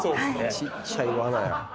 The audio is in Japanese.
ちっちゃいわなや。